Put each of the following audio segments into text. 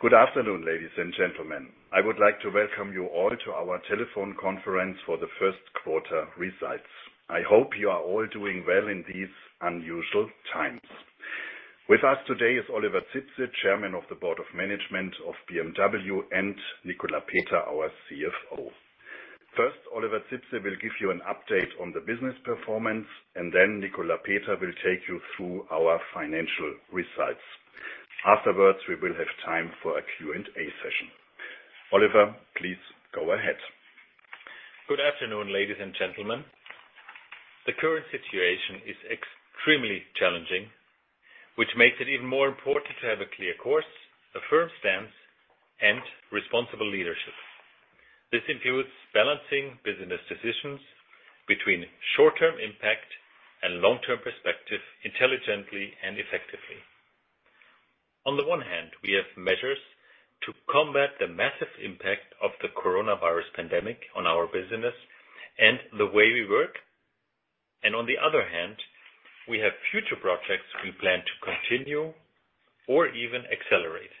Good afternoon, ladies and gentlemen. I would like to welcome you all to our Telephone Conference for the Q1 Results. I hope you are all doing well in these unusual times. With us today is Oliver Zipse, Chairman of the Board of Management of BMW, and Nicolas Peter, our CFO. First, Oliver Zipse will give you an update on the business performance, and then Nicolas Peter will take you through our financial results. Afterwards, we will have time for a Q&A session. Oliver, please go ahead. Good afternoon, ladies and gentlemen. The current situation is extremely challenging, which makes it even more important to have a clear course, a firm stance and responsible leadership. This includes balancing business decisions between short-term impact and long-term perspective intelligently and effectively. On the one hand, we have measures to combat the massive impact of the coronavirus pandemic on our business and the way we work. On the other hand, we have future projects we plan to continue or even accelerate.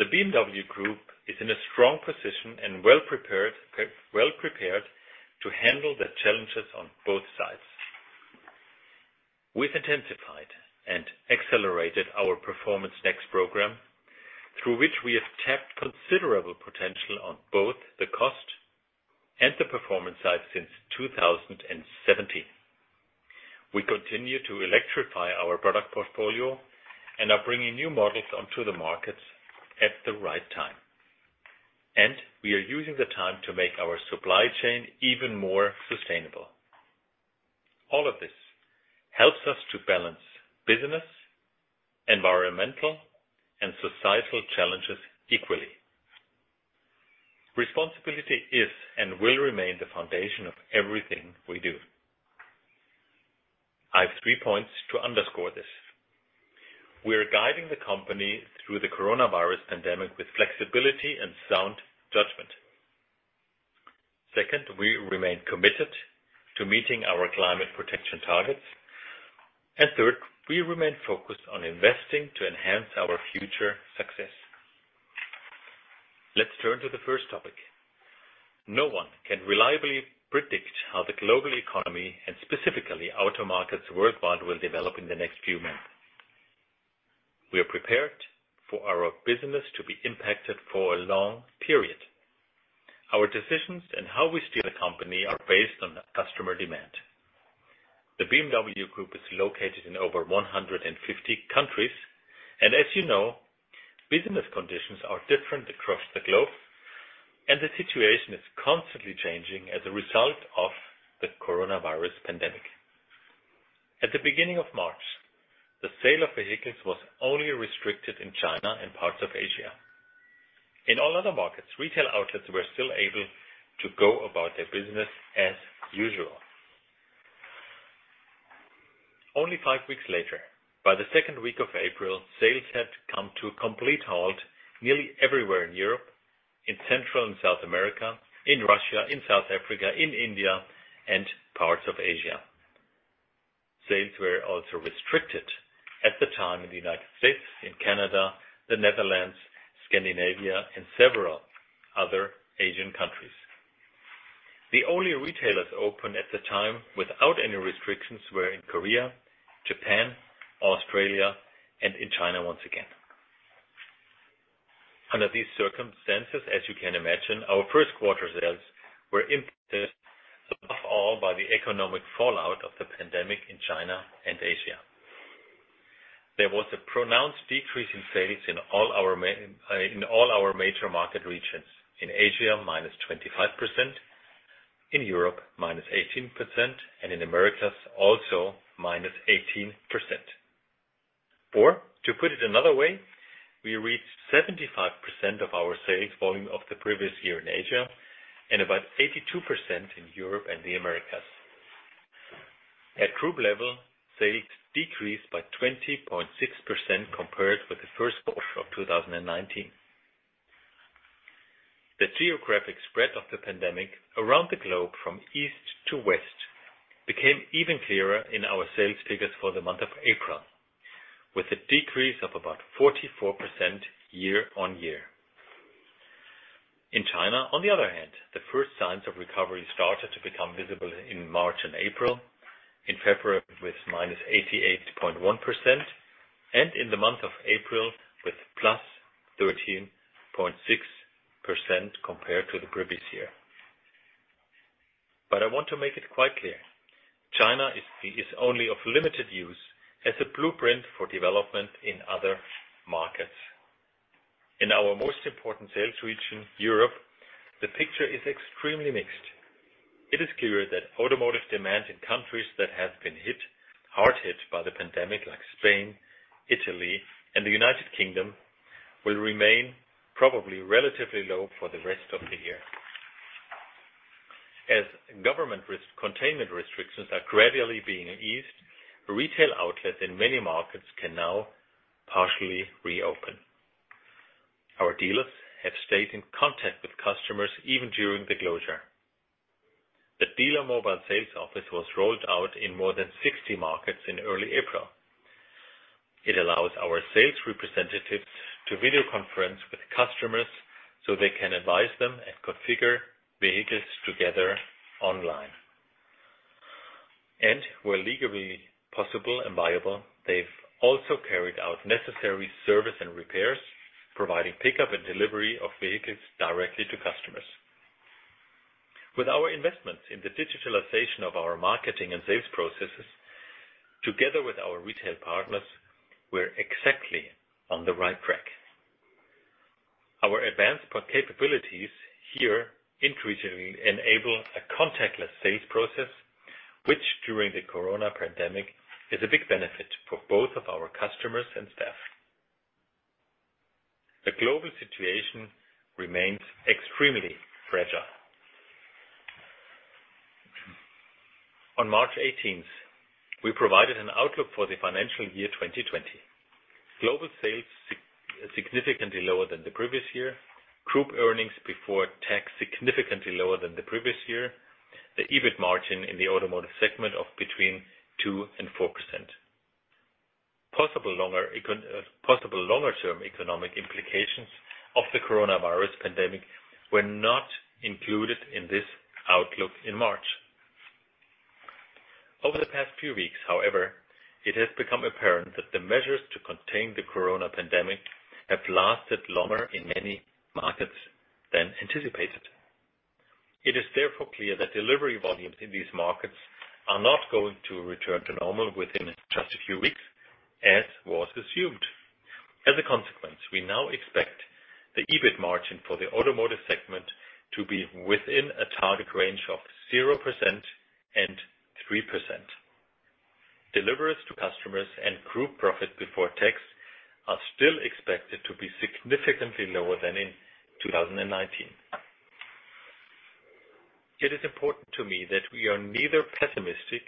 The BMW Group is in a strong position and well-prepared to handle the challenges on both sides. We've intensified and accelerated our Performance > NEXT program, through which we have tapped considerable potential on both the cost and the performance side since 2017. We continue to electrify our product portfolio and are bringing new models onto the markets at the right time. We are using the time to make our supply chain even more sustainable. All of this helps us to balance business, environmental, and societal challenges equally. Responsibility is and will remain the foundation of everything we do. I have three points to underscore this. We're guiding the company through the coronavirus pandemic with flexibility and sound judgment. Second, we remain committed to meeting our climate protection targets. Third, we remain focused on investing to enhance our future success. Let's turn to the first topic. No one can reliably predict how the global economy, and specifically auto markets worldwide, will develop in the next few months. We are prepared for our business to be impacted for a long period. Our decisions and how we steer the company are based on customer demand. The BMW Group is located in over 150 countries, and as you know, business conditions are different across the globe, and the situation is constantly changing as a result of the coronavirus pandemic. At the beginning of March, the sale of vehicles was only restricted in China and parts of Asia. In all other markets, retail outlets were still able to go about their business as usual. Only five weeks later, by the second week of April, sales had come to a complete halt nearly everywhere in Europe, in Central and South America, in Russia, in South Africa, in India, and parts of Asia. Sales were also restricted at the time in the U.S., in Canada, the Netherlands, Scandinavia and several other Asian countries. The only retailers open at the time without any restrictions were in Korea, Japan, Australia, and in China once again. Under these circumstances, as you can imagine, our first quarter sales were impacted above all by the economic fallout of the pandemic in China and Asia. There was a pronounced decrease in sales in all our major market regions. In Asia, -25%, in Europe, -18%, and in Americas, also -18%. To put it another way, we reached 75% of our sales volume of the previous year in Asia and about 82% in Europe and the Americas. At Group level, sales decreased by 20.6% compared with the Q1 of 2019. The geographic spread of the pandemic around the globe from East to West became even clearer in our sales figures for the month of April, with a decrease of about 44% year-on-year. In China, on the other hand, the first signs of recovery started to become visible in March and April, in February with minus 88.1%, and in the month of April with plus 13.6% compared to the previous year. I want to make it quite clear, China is only of limited use as a blueprint for development in other markets. In our most important sales region, Europe, the picture is extremely mixed. It is clear that automotive demand in countries that have been hard hit by the pandemic, like Spain, Italy, and the United Kingdom, will remain probably relatively low for the rest of the year. As government containment restrictions are gradually being eased, retail outlets in many markets can now partially reopen. Our dealers have stayed in contact with customers even during the closure. The dealer mobile sales office was rolled out in more than 60 markets in early April. It allows our sales representatives to video conference with customers so they can advise them and configure vehicles together online. Where legally possible and viable, they've also carried out necessary service and repairs, providing pickup and delivery of vehicles directly to customers. With our investments in the digitalization of our marketing and sales processes, together with our retail partners, we're exactly on the right track. Our advanced capabilities here increasingly enable a contactless sales process, which during the Corona pandemic is a big benefit for both of our customers and staff. The global situation remains extremely fragile. On March 18th, we provided an outlook for the financial year 2020. Global sales significantly lower than the previous year. Group earnings before tax significantly lower than the previous year. The EBIT margin in the automotive segment of between 2% and 4%. Possible longer-term economic implications of the coronavirus pandemic were not included in this outlook in March. Over the past few weeks, however, it has become apparent that the measures to contain the corona pandemic have lasted longer in many markets than anticipated. It is therefore clear that delivery volumes in these markets are not going to return to normal within just a few weeks, as was assumed. As a consequence, we now expect the EBIT margin for the automotive segment to be within a target range of 0% and 3%. Deliveries to customers and group profit before tax are still expected to be significantly lower than in 2019. It is important to me that we are neither pessimistic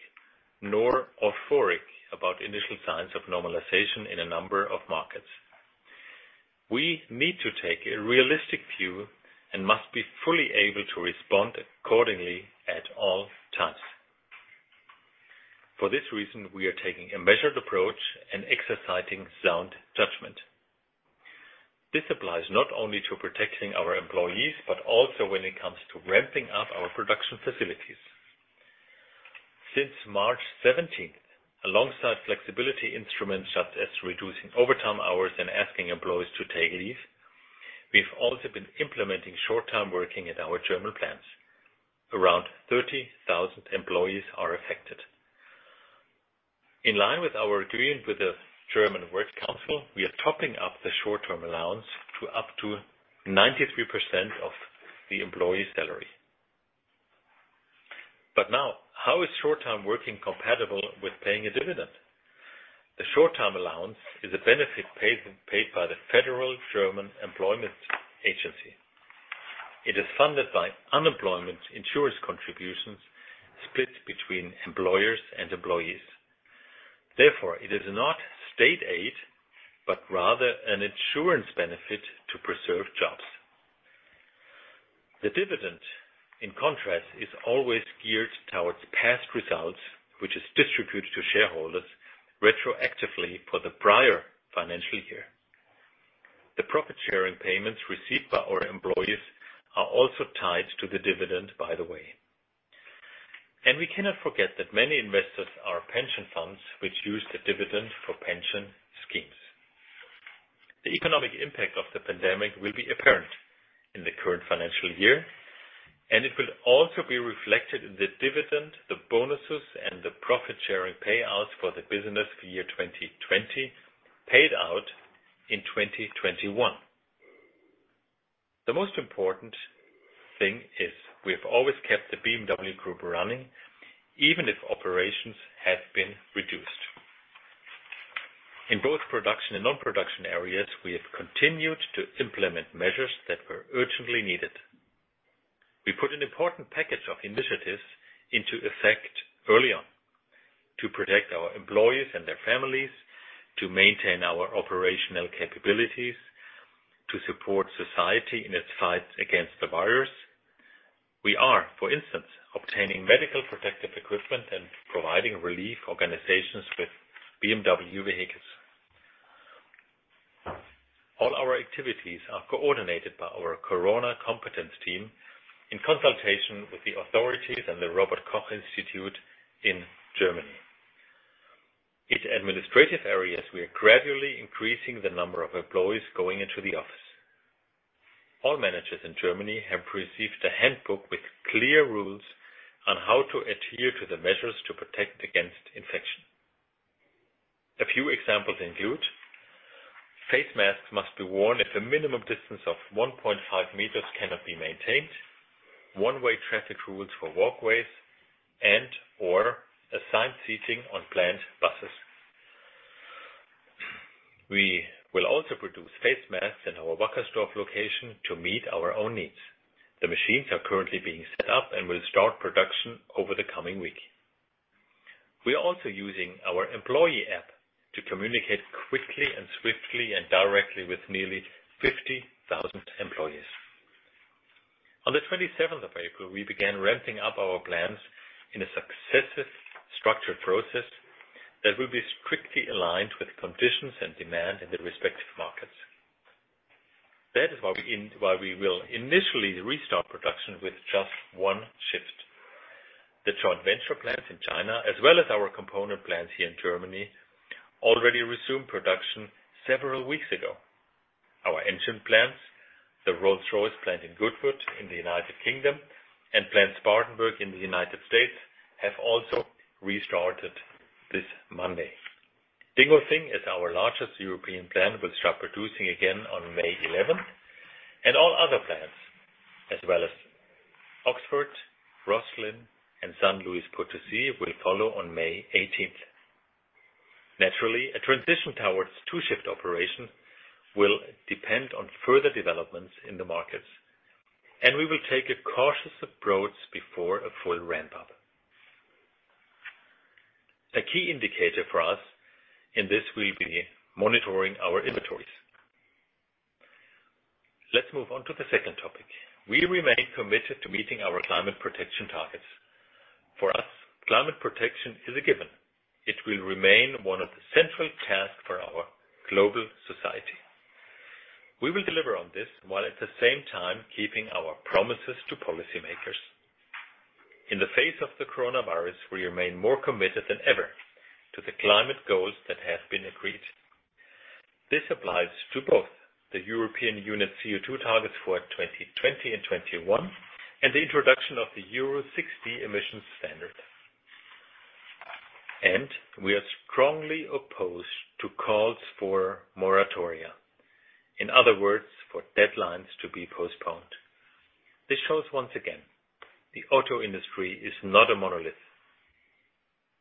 nor euphoric about initial signs of normalization in a number of markets. We need to take a realistic view and must be fully able to respond accordingly at all times. For this reason, we are taking a measured approach and exercising sound judgment. This applies not only to protecting our employees, but also when it comes to ramping up our production facilities. Since March 17th, alongside flexibility instruments such as reducing overtime hours and asking employees to take leave, we've also been implementing short-term working at our German plants. Around 30,000 employees are affected. In line with our agreement with the German Work Council, we are topping up the short-term allowance to up to 93% of the employee salary. How is short-term working compatible with paying a dividend? The short-term allowance is a benefit paid by the Federal Employment Agency. It is funded by unemployment insurance contributions split between employers and employees. It is not state aid, but rather an insurance benefit to preserve jobs. The dividend, in contrast, is always geared towards past results, which is distributed to shareholders retroactively for the prior financial year. The profit-sharing payments received by our employees are also tied to the dividend, by the way. We cannot forget that many investors are pension funds, which use the dividend for pension schemes. The economic impact of the pandemic will be apparent in the current financial year, and it will also be reflected in the dividend, the bonuses, and the profit-sharing payouts for the business year 2020, paid out in 2021. The most important thing is we have always kept the BMW Group running, even if operations have been reduced. In both production and non-production areas, we have continued to implement measures that were urgently needed. We put an important package of initiatives into effect early on to protect our employees and their families, to maintain our operational capabilities, to support society in its fight against the virus. We are, for instance, obtaining medical protective equipment and providing relief organizations with BMW vehicles. All our activities are coordinated by our Corona Competence Team in consultation with the authorities and the Robert Koch Institute in Germany. In administrative areas, we are gradually increasing the number of employees going into the office. All managers in Germany have received a handbook with clear rules on how to adhere to the measures to protect against infection. A few examples include: face masks must be worn if a minimum distance of 1.5 meters cannot be maintained, one-way traffic rules for walkways, and/or assigned seating on plant buses. We will also produce face masks in our Wackersdorf location to meet our own needs. The machines are currently being set up and will start production over the coming week. We are also using our employee app to communicate quickly and swiftly and directly with nearly 50,000 employees. On the 27th of April, we began ramping up our plans in a successive, structured process that will be strictly aligned with conditions and demand in the respective markets. That is why we will initially restart production with just one shift. The joint venture plants in China, as well as our component plants here in Germany, already resumed production several weeks ago. Our engine plants, the Rolls-Royce plant in Goodwood in the U.K., and plant Spartanburg in the U.S., have also restarted this Monday. Dingolfing is our largest European plant, will start producing again on May 11th, and all other plants, as well as Oxford, Rosslyn, and San Luis Potosi, will follow on May 18th. Naturally, a transition towards two-shift operation will depend on further developments in the markets, and we will take a cautious approach before a full ramp-up. A key indicator for us in this will be monitoring our inventories. Let's move on to the second topic. We remain committed to meeting our climate protection targets. For us, climate protection is a given. It will remain one of the central tasks for our global society. We will deliver on this while at the same time keeping our promises to policymakers. In the face of the coronavirus, we remain more committed than ever to the climate goals that have been agreed. This applies to both the European unit CO2 targets for 2020 and 2021, the introduction of the Euro 6d emissions standard. We are strongly opposed to calls for moratoria. In other words, for deadlines to be postponed. This shows once again, the auto industry is not a monolith.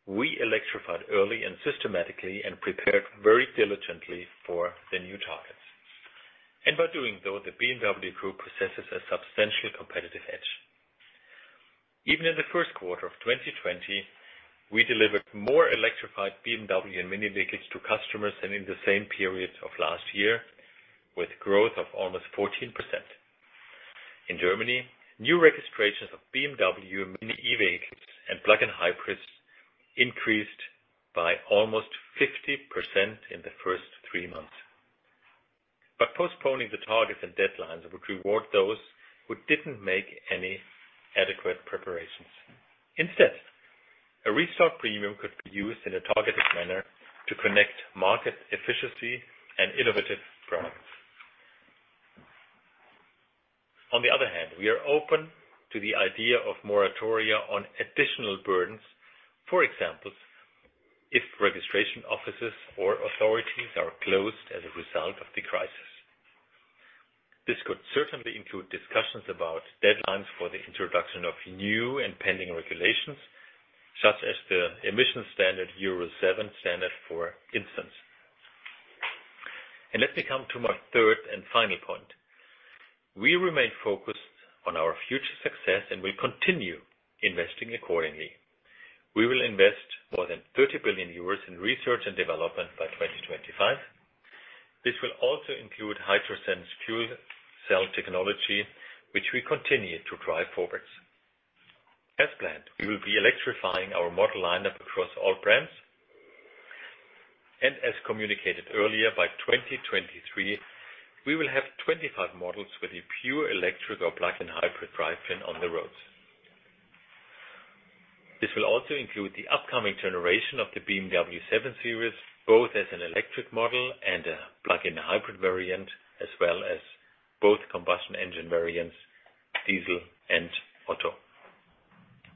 We electrified early and systematically and prepared very diligently for the new targets. By doing so, the BMW Group possesses a substantial competitive edge. Even in the Q1 of 2020, we delivered more electrified BMW and MINI vehicles to customers than in the same period of last year, with growth of almost 14%. In Germany, new registrations of BMW and MINI EV vehicles and plug-in hybrids increased by almost 50% in the first three months. Postponing the targets and deadlines would reward those who didn't make any adequate preparations. Instead, a restart premium could be used in a targeted manner to connect market efficiency and innovative products. On the other hand, we are open to the idea of moratoria on additional burdens. For example, if registration offices or authorities are closed as a result of the crisis. This could certainly include discussions about deadlines for the introduction of new and pending regulations, such as the emissions standard euro 7 standard, for instance. Let me come to my third and final point. We remain focused on our future success and will continue investing accordingly. We will invest more than 30 billion euros in research and development by 2025. This will also include hydrogen fuel cell technology, which we continue to drive forwards. As planned, we will be electrifying our model lineup across all brands. As communicated earlier, by 2023, we will have 25 models with a pure electric or plug-in hybrid drivetrain on the roads. This will also include the upcoming generation of the BMW 7 Series, both as an electric model and a plug-in hybrid variant, as well as both combustion engine variants, diesel and petrol.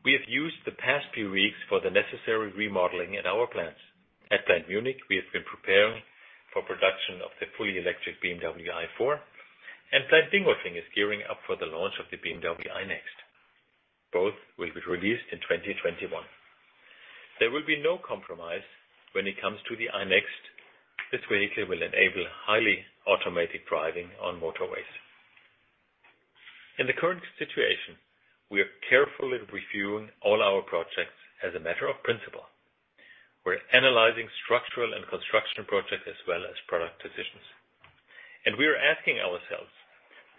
We have used the past few weeks for the necessary remodeling in our plants. At Plant Munich, we have been preparing for production of the fully electric BMW i4, and Plant Dingolfing is gearing up for the launch of the BMW iNEXT. Both will be released in 2021. There will be no compromise when it comes to the iNEXT. This vehicle will enable highly automated driving on motorways. In the current situation, we are carefully reviewing all our projects as a matter of principle. We're analyzing structural and construction projects as well as product decisions. We are asking ourselves: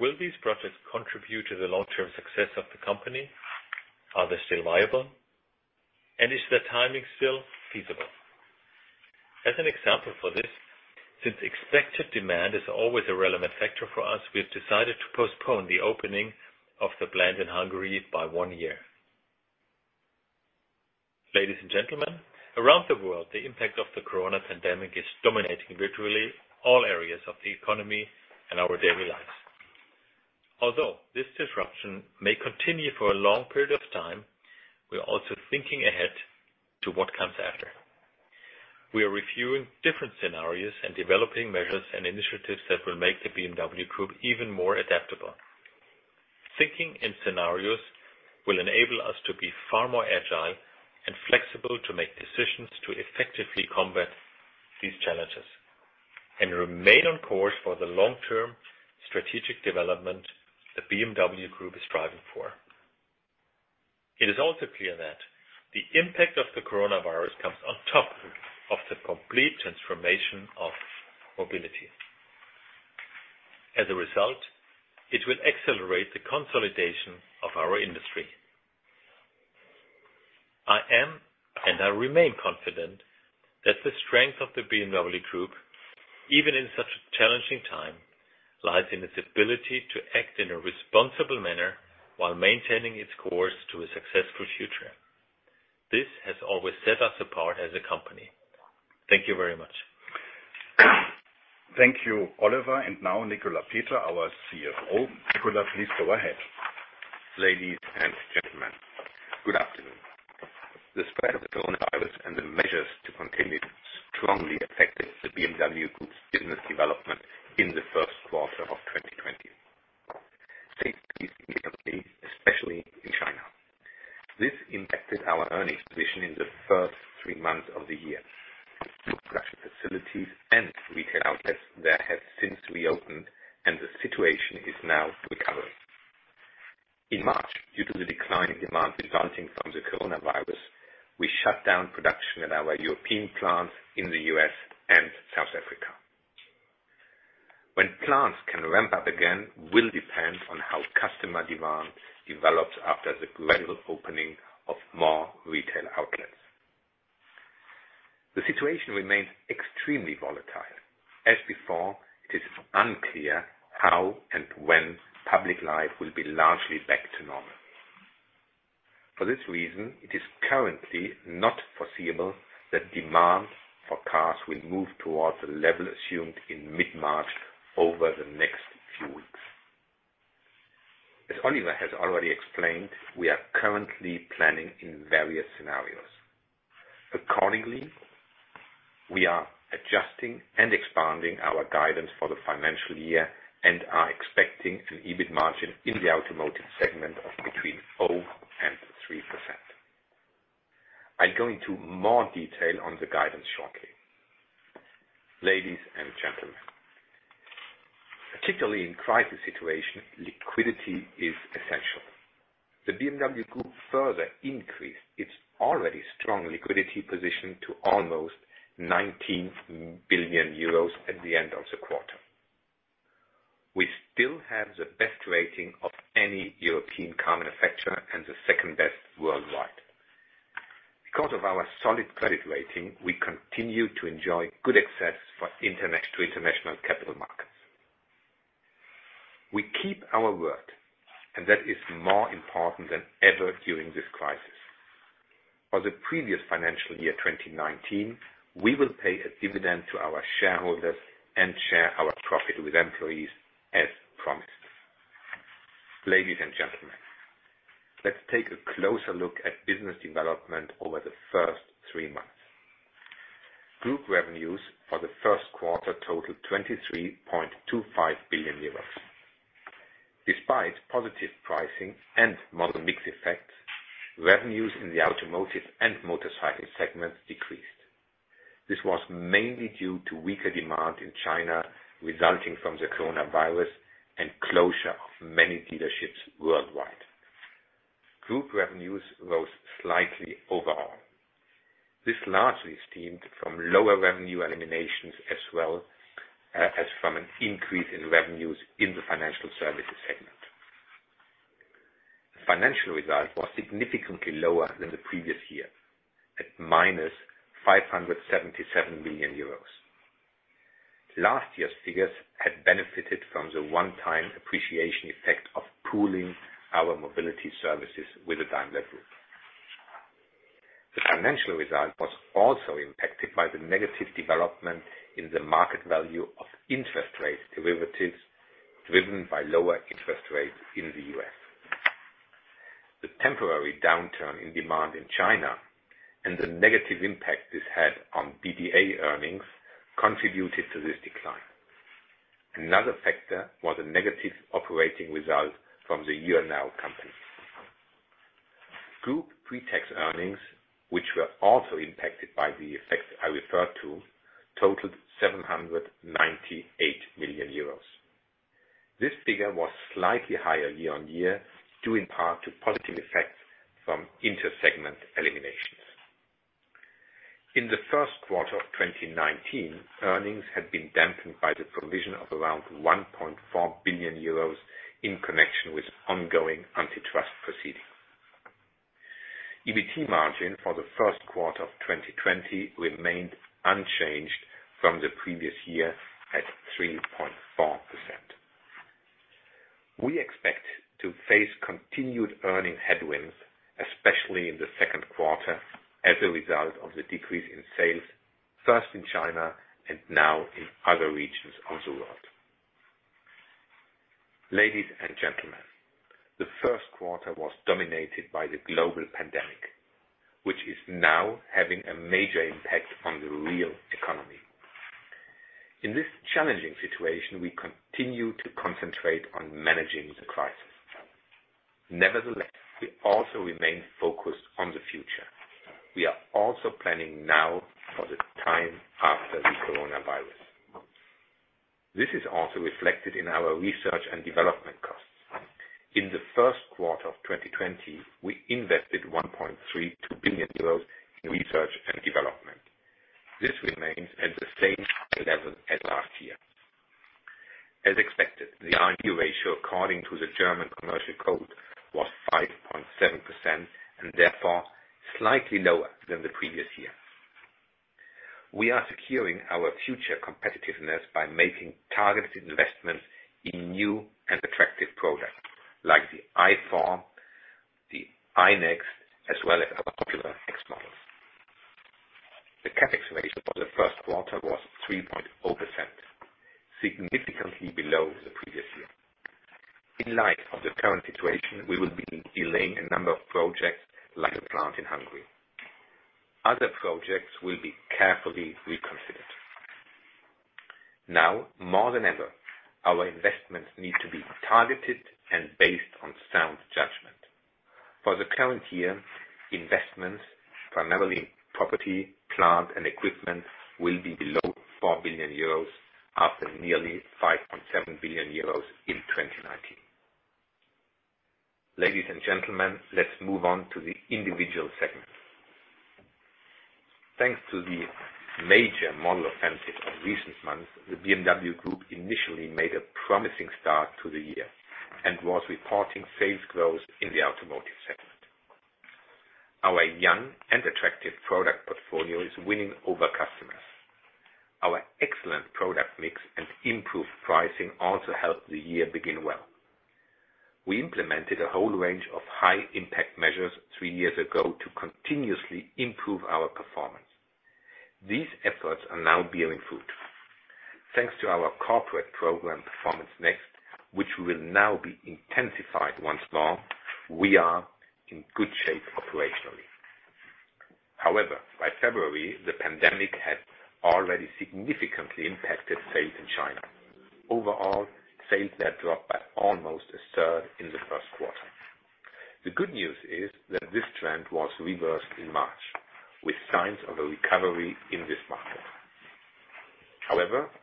Will these projects contribute to the long-term success of the company? Are they still viable? Is the timing still feasible? As an example for this, since expected demand is always a relevant factor for us, we've decided to postpone the opening of the plant in Hungary by one year. Ladies and gentlemen, around the world, the impact of the coronavirus pandemic is dominating virtually all areas of the economy and our daily lives. Although this disruption may continue for a long period of time, we are also thinking ahead to what comes after. We are reviewing different scenarios and developing measures and initiatives that will make the BMW Group even more adaptable. Thinking in scenarios will enable us to be far more agile and flexible to make decisions to effectively combat these challenges, remain on course for the long-term strategic development the BMW Group is striving for. It is also clear that the impact of the coronavirus comes on top of the complete transformation of mobility. As a result, it will accelerate the consolidation of our industry. I am, and I remain confident that the strength of the BMW Group, even in such a challenging time, lies in its ability to act in a responsible manner while maintaining its course to a successful future. This has always set us apart as a company. Thank you very much. Thank you, Oliver. Now Nicolas Peter, our CFO. Nicolas, please go ahead. Ladies and gentlemen, good afternoon. The spread of the coronavirus and the measures to contain it strongly affected the BMW Group's business development in the Q1 of 2020. Safety is the ability, especially in China. This impacted our earnings position in the first three months of the year. Group production facilities and retail outlets there have since reopened, and the situation is now recovering. In March, due to the decline in demand resulting from the coronavirus, we shut down production at our European plants in the U.S. and South Africa. When plants can ramp up again will depend on how customer demand develops after the gradual opening of more retail outlets. The situation remains extremely volatile. As before, it is unclear how and when public life will be largely back to normal. For this reason, it is currently not foreseeable that demand for cars will move towards the level assumed in mid-March over the next few weeks. As Oliver has already explained, we are currently planning in various scenarios. Accordingly, we are adjusting and expanding our guidance for the financial year and are expecting an EBIT margin in the automotive segment of between 0% and 3%. I go into more detail on the guidance shortly. Ladies and gentlemen, particularly in crisis situations, liquidity is essential. The BMW Group further increased its already strong liquidity position to almost 19 billion euros at the end of the quarter. We still have the best rating of any European car manufacturer and the second best worldwide. Because of our solid credit rating, we continue to enjoy good access to international capital markets. We keep our word, and that is more important than ever during this crisis. For the previous financial year 2019, we will pay a dividend to our shareholders and share our profit with employees as promised. Ladies and gentlemen, let's take a closer look at business development over the first three months. Group revenues for the Q1 totaled 23.25 billion euros. Despite positive pricing and model mix effects, revenues in the automotive and motorcycle segments decreased. This was mainly due to weaker demand in China resulting from the coronavirus and closure of many dealerships worldwide. Group revenues rose slightly overall. This largely stemmed from lower revenue eliminations as well as from an increase in revenues in the financial services segment. The financial result was significantly lower than the previous year, at minus 577 million euros. Last year's figures had benefited from the one-time appreciation effect of pooling our mobility services with the Daimler Group. The financial result was also impacted by the negative development in the market value of interest rate derivatives driven by lower interest rates in the U.S. The temporary downturn in demand in China and the negative impact this had on BBA earnings contributed to this decline. Another factor was a negative operating result from the YOUR NOW company. Group pretax earnings, which were also impacted by the effects I referred to, totaled 798 million euros. This figure was slightly higher year-on-year, due in part to positive effects from intersegment eliminations. In the Q1 of 2019, earnings had been dampened by the provision of around 1.4 billion euros in connection with ongoing antitrust proceedings. EBIT margin for the Q1 of 2020 remained unchanged from the previous year at 3.4%. We expect to face continued earning headwinds, especially in the second quarter, as a result of the decrease in sales, first in China and now in other regions of the world. Ladies and gentlemen, the Q1 was dominated by the global pandemic, which is now having a major impact on the real economy. In this challenging situation, we continue to concentrate on managing the crisis. Nevertheless, we also remain focused on the future. We are also planning now for the time after the coronavirus. This is also reflected in our research and development costs. In the Q1 of 2020, we invested 1.32 billion euros in research and development. This remains at the same high level as last year. As expected, the R&D ratio according to the German Commercial Code was 5.7%, and therefore slightly lower than the previous year. We are securing our future competitiveness by making targeted investments in new and attractive products, like the i4, the iNEXT, as well as our popular X models. The CapEx ratio for the first quarter was 3.0%, significantly below the previous year. In light of the current situation, we will be delaying a number of projects, like a plant in Hungary. Other projects will be carefully reconsidered. Now more than ever, our investments need to be targeted and based on sound judgment. For the current year, investments, primarily in property, plant, and equipment, will be below 4 billion euros after nearly 5.7 billion euros in 2019. Ladies and gentlemen, let's move on to the individual segments. Thanks to the major model offensive of recent months, the BMW Group initially made a promising start to the year and was reporting sales growth in the automotive segment. Our young and attractive product portfolio is winning over customers. Our excellent product mix and improved pricing also helped the year begin well. We implemented a whole range of high-impact measures three years ago to continuously improve our performance. These efforts are now bearing fruit. Thanks to our corporate program, Performance > NEXT, which will now be intensified once more, we are in good shape operationally. By February, the pandemic had already significantly impacted sales in China. Overall, sales there dropped by almost a third in the Q1. The good news is that this trend was reversed in March, with signs of a recovery in this market.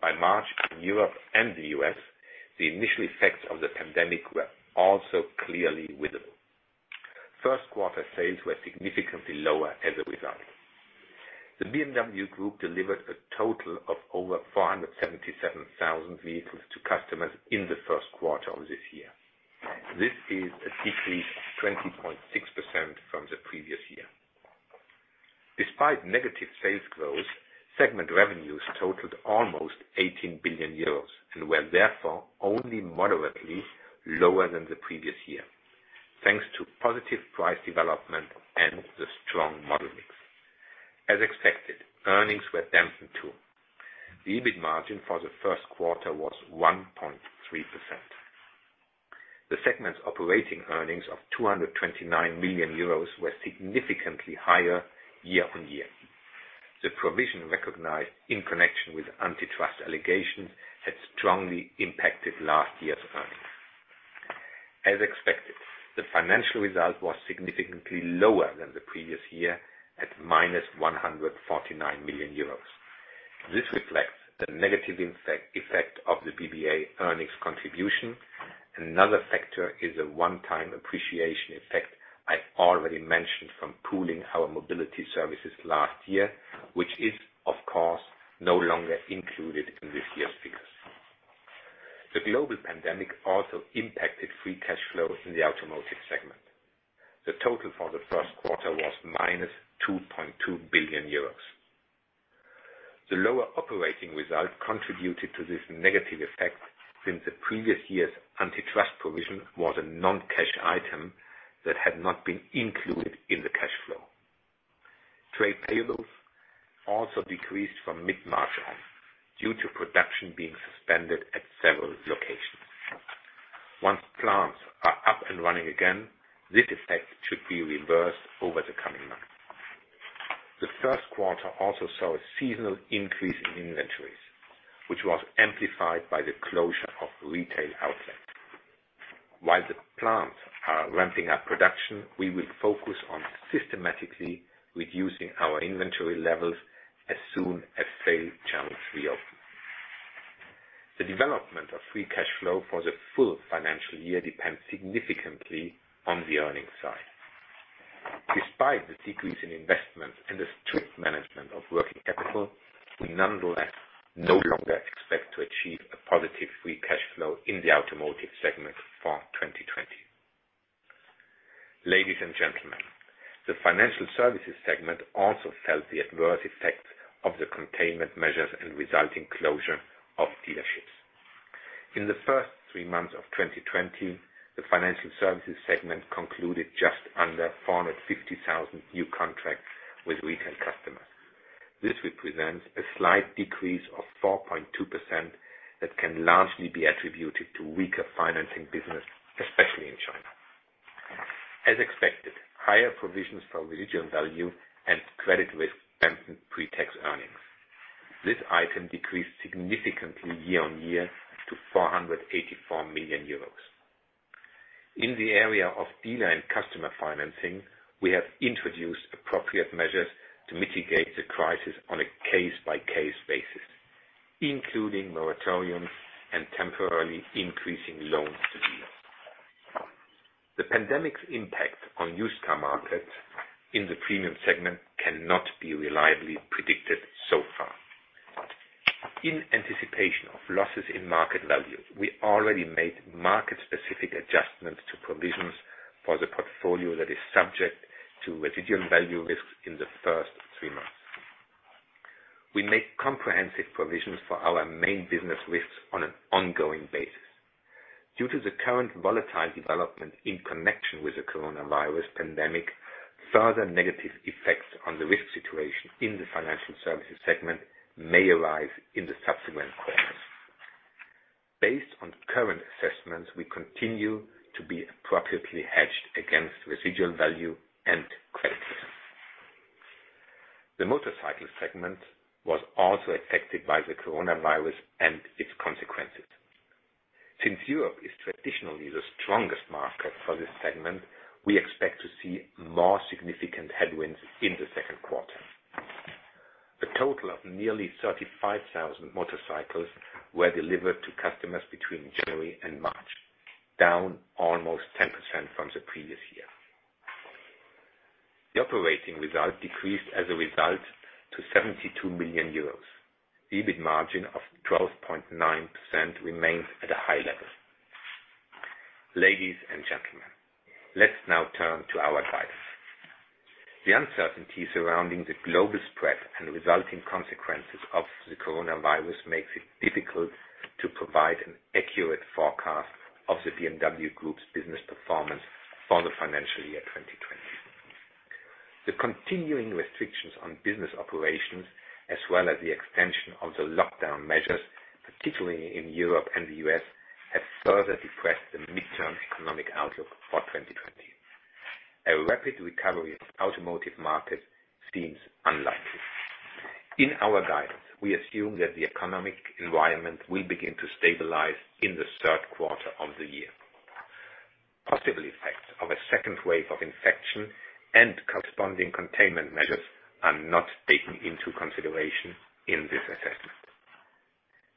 By March, in Europe and the U.S., the initial effects of the pandemic were also clearly visible. Q1 sales were significantly lower as a result. The BMW Group delivered a total of over 477,000 vehicles to customers in the Q1 of this year. This is a decrease of 20.6% from the previous year. Despite negative sales growth, segment revenues totaled almost 18 billion euros and were therefore only moderately lower than the previous year, thanks to positive price development and the strong model mix. As expected, earnings were dampened, too. The EBIT margin for the Q1 was 1.3%. The segment's operating earnings of 229 million euros were significantly higher year on year. The provision recognized in connection with antitrust allegations had strongly impacted last year's earnings. As expected, the financial result was significantly lower than the previous year at -149 million euros. This reflects the negative effect of the BBA earnings contribution. Another factor is a one-time appreciation effect I already mentioned from pooling our mobility services last year, which is, of course, no longer included in this year's figures. The global pandemic also impacted free cash flow in the automotive segment. The total for the first quarter was -2.2 billion euros. The lower operating result contributed to this negative effect since the previous year's antitrust provision was a non-cash item that had not been included in the cash flow. Trade payables also decreased from mid-March on due to production being suspended at several locations. Once plants are up and running again, this effect should be reversed over the coming months. The Q1 also saw a seasonal increase in inventories, which was amplified by the closure of retail outlets. While the plants are ramping up production, we will focus on systematically reducing our inventory levels as soon as sales channels reopen. The development of free cash flow for the full financial year depends significantly on the earnings side. Despite the decrease in investment and the strict management of working capital, we nonetheless no longer expect to achieve a positive free cash flow in the automotive segment for 2020. Ladies and gentlemen, the financial services segment also felt the adverse effects of the containment measures and resulting closure of dealerships. In the first three months of 2020, the financial services segment concluded just under 450,000 new contracts with retail customers. This represents a slight decrease of 4.2% that can largely be attributed to weaker financing business, especially in China. As expected, higher provisions for residual value and credit risk dampened pre-tax earnings. This item decreased significantly year on year to 484 million euros. In the area of dealer and customer financing, we have introduced appropriate measures to mitigate the crisis on a case-by-case basis, including moratoriums and temporarily increasing loans to dealers. The pandemic's impact on used car markets in the premium segment cannot be reliably predicted so far. In anticipation of losses in market value, we already made market-specific adjustments to provisions for the portfolio that is subject to residual value risks in the first three months. We make comprehensive provisions for our main business risks on an ongoing basis. Due to the current volatile development in connection with the coronavirus pandemic, further negative effects on the risk situation in the financial services segment may arise in the subsequent quarters. Based on current assessments, we continue to be appropriately hedged against residual value and credit risk. The motorcycle segment was also affected by the coronavirus and its consequences. Since Europe is traditionally the strongest market for this segment, we expect to see more significant headwinds in the second quarter. A total of nearly 35,000 motorcycles were delivered to customers between January and March, down almost 10% from the previous year. The operating result decreased as a result to 72 million euros. EBIT margin of 12.9% remains at a high level. Ladies and gentlemen, let's now turn to our guidance. The uncertainty surrounding the global spread and resulting consequences of the coronavirus makes it difficult to provide an accurate forecast of the BMW Group's business performance for the financial year 2020. The continuing restrictions on business operations, as well as the extension of the lockdown measures, particularly in Europe and the U.S., have further depressed the mid-term economic outlook for 2020. A rapid recovery of automotive market seems unlikely. In our guidance, we assume that the economic environment will begin to stabilize in the third quarter of the year. Possible effects of a second wave of infection and corresponding containment measures are not taken into consideration in this assessment.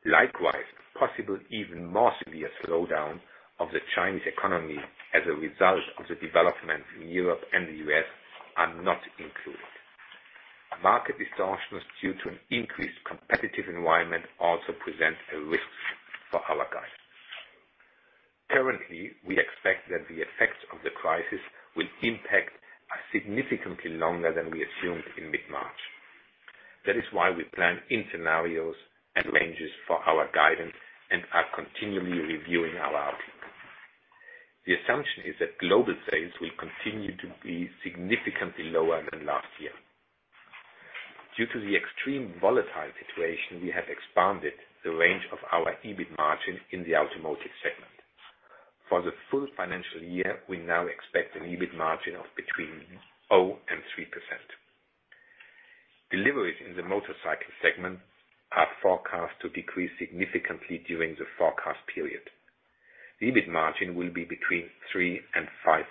Likewise, possible even more severe slowdown of the Chinese economy as a result of the development in Europe and the U.S. are not included. Market distortions due to an increased competitive environment also present a risk for our guidance. Currently, we expect that the effects of the crisis will impact significantly longer than we assumed in mid-March. That is why we plan in scenarios and ranges for our guidance and are continually reviewing our outlook. The assumption is that global sales will continue to be significantly lower than last year. Due to the extreme volatile situation, we have expanded the range of our EBIT margin in the automotive segment. For the full financial year, we now expect an EBIT margin of between 0% and 3%. Deliveries in the motorcycle segment are forecast to decrease significantly during the forecast period. The EBIT margin will be between 3% and 5%.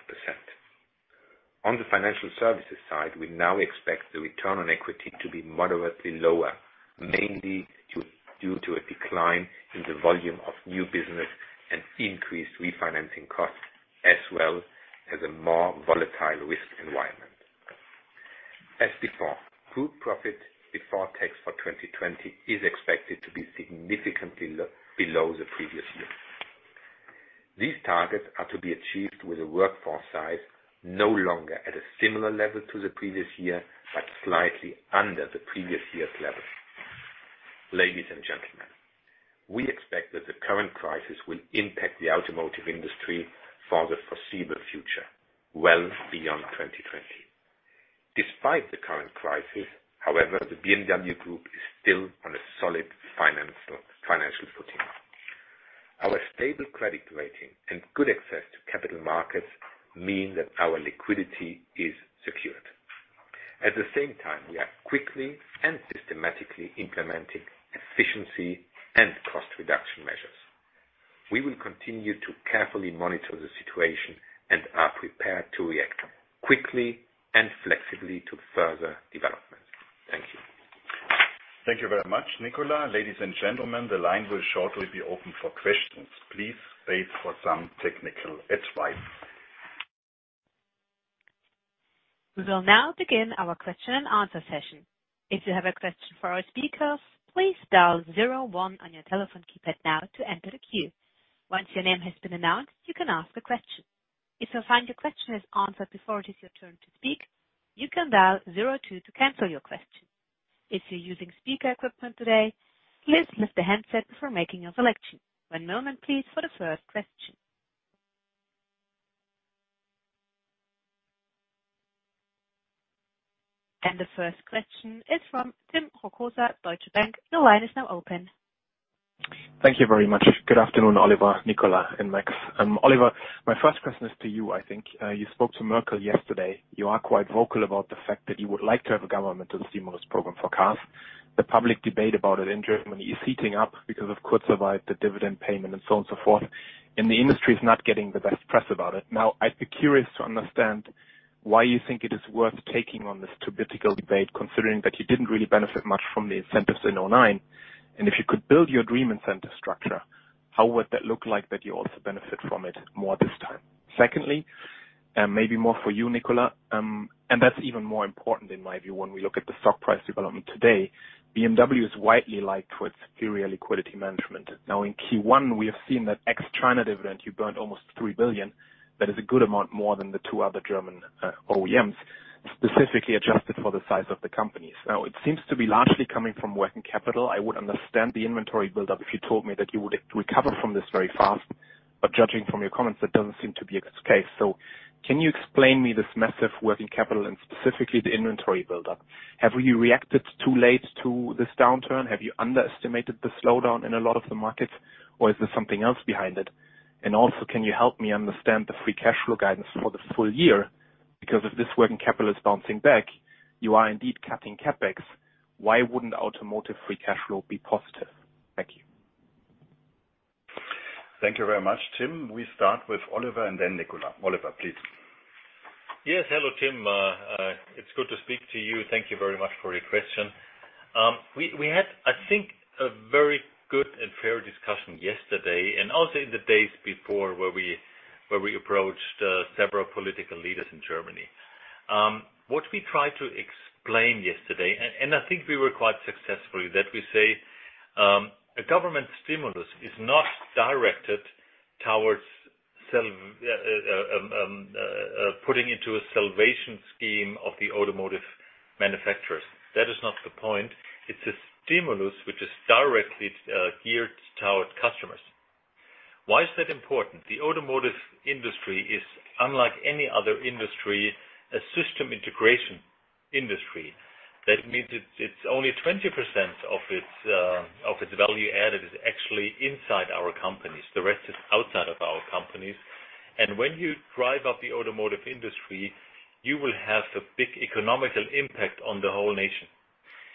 On the financial services side, we now expect the return on equity to be moderately lower, mainly due to a decline in the volume of new business and increased refinancing costs, as well as a more volatile risk environment. As before, group profit before tax for 2020 is expected to be significantly below the previous year. These targets are to be achieved with a workforce size no longer at a similar level to the previous year, but slightly under the previous year's level. Ladies and gentlemen, we expect that the current crisis will impact the automotive industry for the foreseeable future, well beyond 2020. Despite the current crisis, however, the BMW Group is still on a solid financial footing. Our stable credit rating and good access to capital markets mean that our liquidity is secured. At the same time, we are quickly and systematically implementing efficiency and cost reduction measures. We will continue to carefully monitor the situation and are prepared to react quickly and flexibly to further developments. Thank you. Thank you very much, Nicolas. Ladies and gentlemen, the line will shortly be open for questions. Please wait for some technical advice. We will now begin our question and answer session. If you have a question for our speakers, please dial zero one on your telephone keypad now to enter the queue. Once your name has been announced, you can ask a question. If you find your question is answered before it is your turn to speak, you can dial zero two to cancel your question. If you're using speaker equipment today, please lift the handset before making your selection. One moment please for the first question. The first question is from Tim Rokossa, Deutsche Bank. The line is now open. Thank you very much. Good afternoon, Oliver, Nicolas, and Max. Oliver, my first question is to you, I think. You spoke to Merkel yesterday. You are quite vocal about the fact that you would like to have a governmental stimulus program for cars. The public debate about it in Germany is heating up because of critics reviled the dividend payment and so on, so forth, and the industry is not getting the best press about it. Now, I'd be curious to understand why you think it is worth taking on this sabbatical debate, considering that you didn't really benefit much from the incentives in 2009. If you could build your dream incentive structure, how would that look like that you also benefit from it more this time? Secondly, maybe more for you, Nicolas, that's even more important in my view when we look at the stock price development today. BMW is widely liked for its superior liquidity management. In Q1, we have seen that ex-China dividend, you burned almost 3 billion. That is a good amount more than the two other German OEMs, specifically adjusted for the size of the companies. It seems to be largely coming from working capital. I would understand the inventory buildup if you told me that you would recover from this very fast, but judging from your comments, that doesn't seem to be the case. Can you explain to me this massive working capital and specifically the inventory buildup? Have you reacted too late to this downturn? Have you underestimated the slowdown in a lot of the markets, or is there something else behind it? Also, can you help me understand the free cash flow guidance for the full year? Because if this working capital is bouncing back, you are indeed cutting CapEx. Why wouldn't automotive free cash flow be positive? Thank you. Thank you very much, Tim. We start with Oliver and then Nicolas. Oliver, please. Yes. Hello, Tim. It's good to speak to you. Thank you very much for your question. We had, I think, a very good and fair discussion yesterday, and also in the days before, where we approached several political leaders in Germany. What we tried to explain yesterday, and I think we were quite successful, that we say a government stimulus is not directed towards putting into a salvation scheme of the automotive manufacturers. That is not the point. It's a stimulus which is directly geared towards customers. Why is that important? The automotive industry is, unlike any other industry, a system integration industry. That means that only 20% of its value added is actually inside our companies. The rest is outside of our companies. When you drive up the automotive industry, you will have a big economic impact on the whole nation.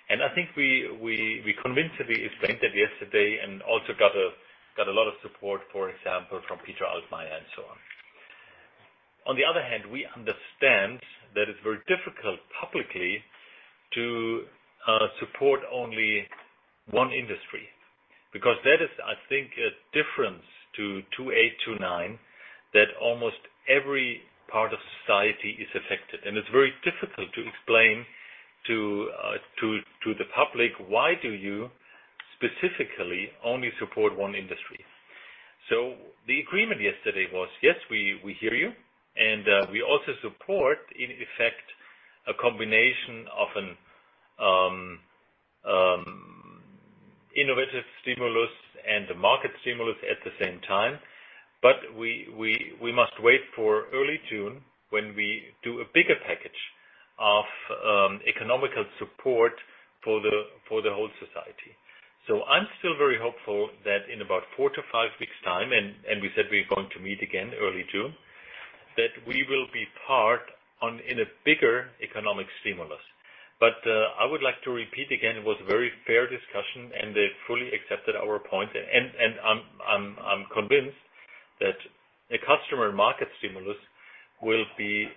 I think we convincingly explained that yesterday, and also got a lot of support, for example, from Peter Altmaier and so on. On the other hand, we understand that it's very difficult publicly to support only one industry, because that is, I think, a difference to 2008, 2009, that almost every part of society is affected. It's very difficult to explain to the public, why do you specifically only support one industry? The agreement yesterday was, yes, we hear you, and we also support, in effect, a combination of an innovative stimulus and a market stimulus at the same time. We must wait for early June when we do a bigger package of economical support for the whole society. I'm still very hopeful that in about four to five weeks time, and we said we're going to meet again early June, that we will be part in a bigger economic stimulus. I would like to repeat again, it was a very fair discussion, and they fully accepted our point. I'm convinced that a customer market stimulus will be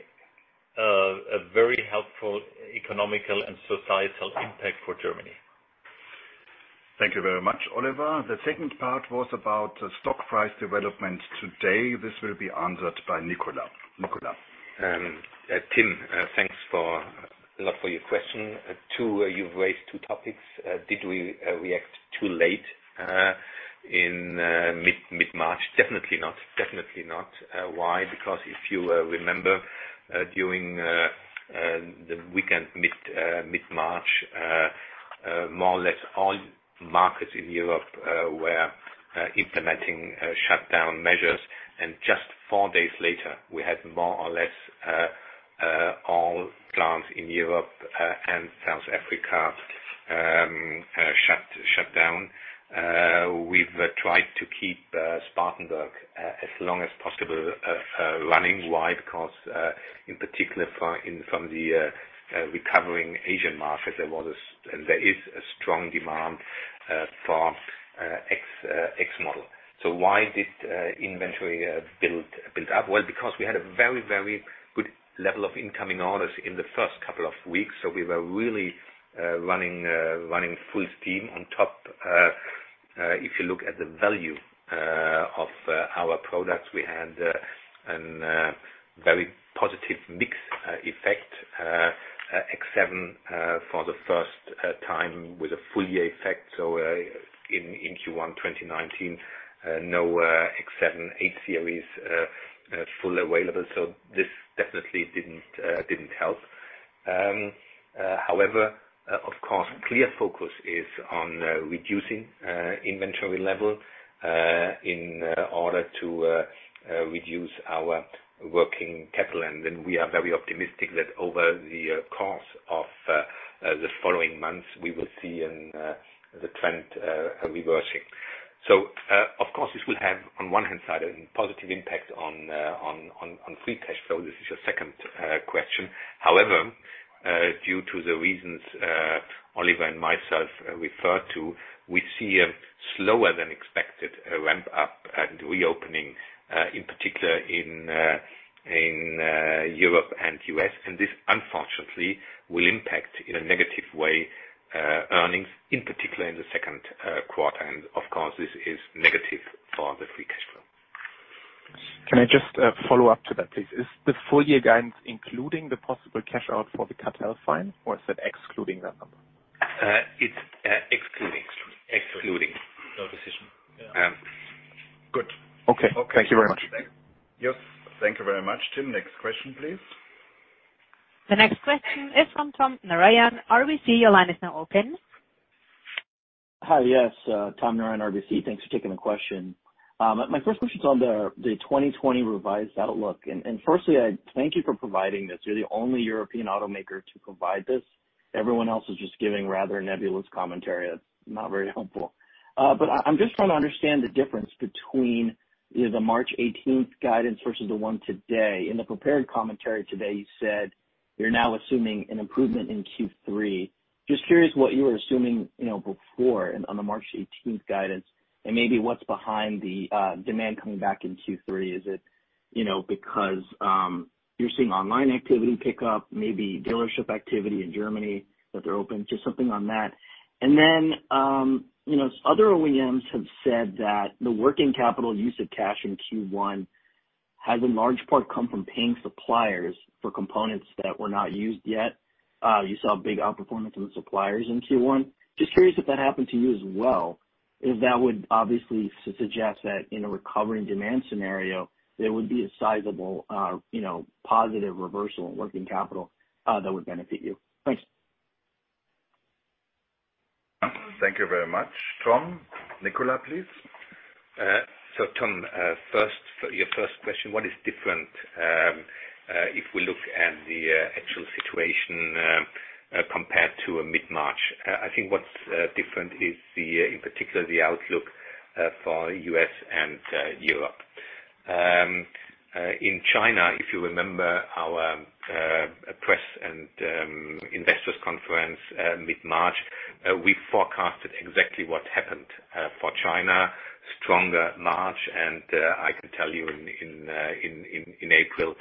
a very helpful economical and societal impact for Germany. Thank you very much, Oliver. The second part was about stock price development today. This will be answered by Nicolas. Nicolas. Tim, thanks a lot for your question. Two, you've raised two topics. Did we react too late in mid-March? Definitely not. Why? Because if you remember, during the weekend mid-March, more or less all markets in Europe were implementing shutdown measures, and just four days later, we had more or less all plants in Europe and South Africa shut down. We've tried to keep Spartanburg as long as possible running. Why? Because, in particular from the recovering Asian market, there is a strong demand for X model. Why did inventory build up? Well, because we had a very, very good level of incoming orders in the first couple of weeks, so we were really running full steam on top. If you look at the value of our products, we had a very positive mix effect. X7 for the first time with a full-year effect. In Q1 2019, no X7, 8 Series fully available, so this definitely didn't help. However, of course, clear focus is on reducing inventory level in order to reduce our working capital. We are very optimistic that over the course of the following months, we will see the trend reversing. Of course, this will have, on one hand side, a positive impact on free cash flow. This is your second question. However, due to the reasons Oliver and myself referred to, we see a slower than expected ramp-up and reopening, in particular in Europe and U.S., and this unfortunately will impact in a negative way, earnings, in particular in the second quarter. Of course, this is negative for the free cash flow. Can I just follow up to that, please? Is the full-year guidance including the possible cash-out for the cartel fine, or is it excluding that number? It's excluding. Excluding. Excluding. No decision. Yeah. Good. Okay. Thank you very much. Yes. Thank you very much, Tim. Next question, please. The next question is from Tom Narayan, RBC. Your line is now open. Hi. Yes. Tom Narayan, RBC. Thanks for taking the question. My first question is on the 2020 revised outlook. Firstly, I thank you for providing this. You're the only European automaker to provide this. Everyone else is just giving rather nebulous commentary that's not very helpful. I'm just trying to understand the difference between the March 18th guidance versus the one today. In the prepared commentary today, you said you're now assuming an improvement in Q3. Just curious what you were assuming before on the March 18th guidance and maybe what's behind the demand coming back in Q3. Is it because you're seeing online activity pick up, maybe dealership activity in Germany that they're open, just something on that. Other OEMs have said that the working capital use of cash in Q1 has in large part come from paying suppliers for components that were not used yet. You saw a big outperformance in the suppliers in Q1. Just curious if that happened to you as well, if that would obviously suggest that in a recovering demand scenario, there would be a sizable positive reversal in working capital that would benefit you. Thanks. Thank you very much, Tom. Nicolas, please. Tom, your first question, what is different if we look at the actual situation compared to mid-March? I think what's different is in particular the outlook for U.S. and Europe. In China, if you remember our press and investors conference mid-March, we forecasted exactly what happened for China, stronger March, and I can tell you in April,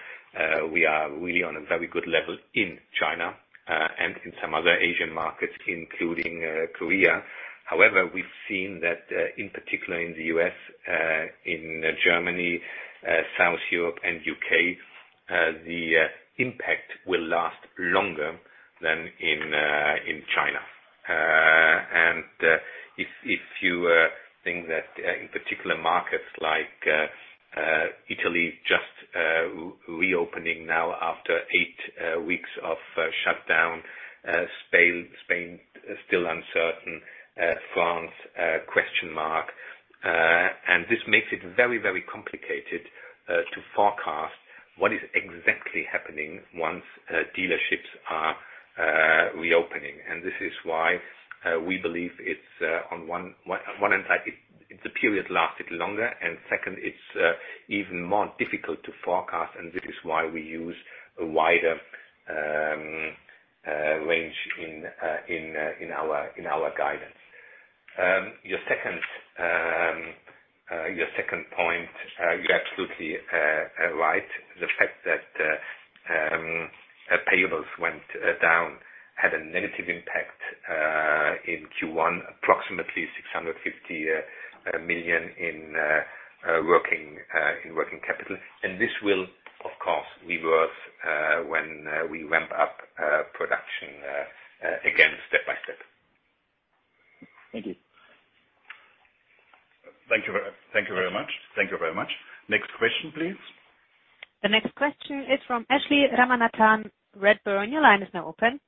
we are really on a very good level in China, and in some other Asian markets, including Korea. However, we've seen that, in particular in the U.S., in Germany, South Europe and U.K., the impact will last longer than in China. If you think that in particular markets like Italy just reopening now after eight weeks of shutdown, Spain still uncertain, France a question mark, and this makes it very, very complicated to forecast what is exactly happening once dealerships are reopening. This is why we believe it's on one hand side, the period lasted longer, and second, it's even more difficult to forecast, and this is why we use a wider range in our guidance. Your second point, you're absolutely right. The fact that payables went down had a negative impact in Q1, approximately 650 million in working capital. This will, of course, reverse when we ramp up production again step by step. Thank you. Thank you very much. Next question, please. The next question is from Ashlee Ramanathan, Redburn. Your line is now open.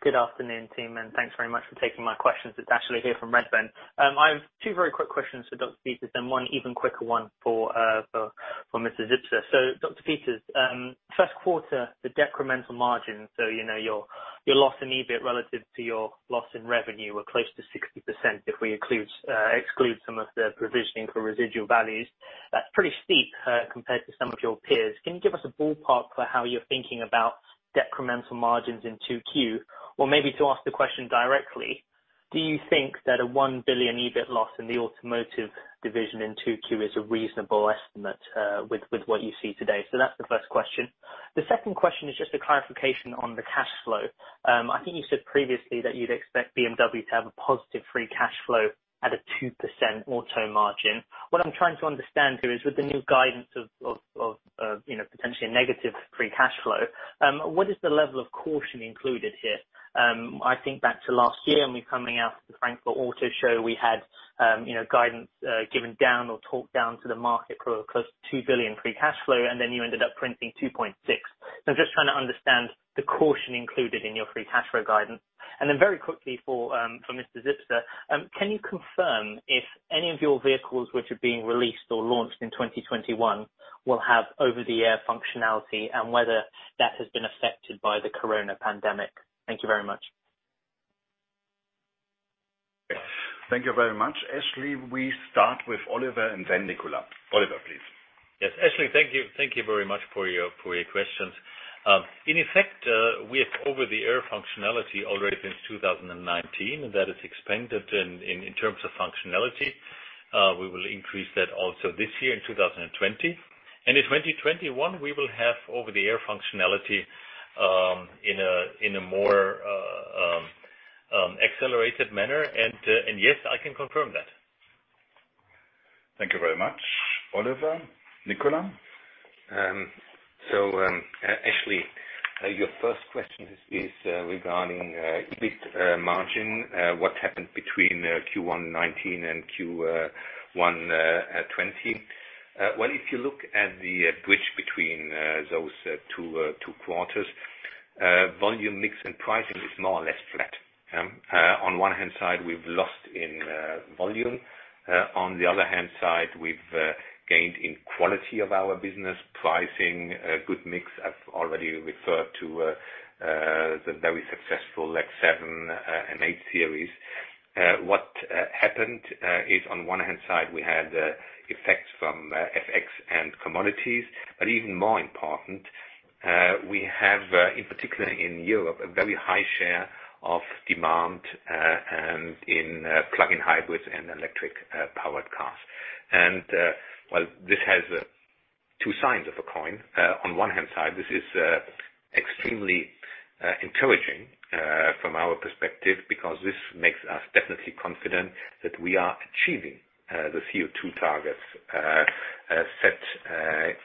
Good afternoon, team. Thanks very much for taking my questions. It's Ashlee here from Redburn. I have two very quick questions for Dr. Peters and one even quicker one for Mr. Zipse. Dr. Peters, Q1, the decremental margin, your loss in EBIT relative to your loss in revenue were close to 60% if we exclude some of the provisioning for residual values. That's pretty steep compared to some of your peers. Can you give us a ballpark for how you're thinking about decremental margins in Q2? Maybe to ask the question directly, do you think that a 1 billion EBIT loss in the automotive division in Q2 is a reasonable estimate with what you see today? That's the first question. The second question is just a clarification on the cash flow. I think you said previously that you'd expect BMW to have a positive free cash flow at a 2% EBIT margin. What I'm trying to understand here is with the new guidance of potentially a negative free cash flow, what is the level of caution included here? I think back to last year when we were coming out from the Frankfurt Auto Show, we had guidance given down or talked down to the market for close to 2 billion free cash flow, and then you ended up printing 2.6 billion. I'm just trying to understand the caution included in your free cash flow guidance. Very quickly for Mr. Zipse, can you confirm if any of your vehicles which are being released or launched in 2021 will have over-the-air functionality and whether that has been affected by the coronavirus pandemic? Thank you very much. Thank you very much, Ashlee. We start with Oliver and then Nicolas. Oliver, please. Yes, Ashlee, thank you very much for your questions. In effect, we have over-the-air functionality already since 2019, and that is expanded in terms of functionality. We will increase that also this year in 2020. In 2021, we will have over-the-air functionality in a more accelerated manner. Yes, I can confirm that. Thank you very much, Oliver. Nicolas. Ashlee, your first question is regarding EBIT margin. What happened between Q1 2019 and Q1 2020. Well, if you look at the bridge between those two quarters, volume mix and pricing is more or less flat. On one hand side, we've lost in volume. On the other hand side, we've gained in quality of our business, pricing, a good mix. I've already referred to the very successful X7 and 8 Series. What happened is, on one hand side, we had effects from FX and commodities. Even more important, we have, in particular in Europe, a very high share of demand in plug-in hybrids and electric-powered cars. Well, this has two sides of a coin. On one hand side, this is extremely encouraging from our perspective because this makes us definitely confident that we are achieving the CO2 targets set